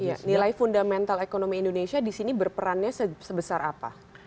iya nilai fundamental ekonomi indonesia di sini berperannya sebesar apa